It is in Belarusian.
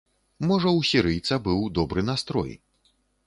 Можа ў сірыйца быў добры настрой.